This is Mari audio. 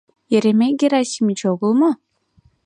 Еремей Герасимыч огыл мо?